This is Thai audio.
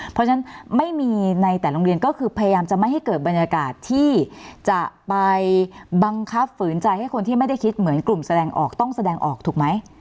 เพราะฉะนั้นไม่มีในแต่โรงเรียนก็คือพยายามจะไม่ให้เกิดบรรยากาศที่จะไปบังคับฝืนใจให้คนที่ไม่ได้คิดเหมือนกลุ่มแสดงออกต้องแสดงออกถูกไหม